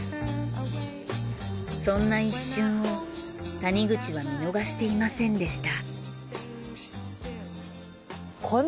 そんな一瞬を谷口は見逃していませんでした。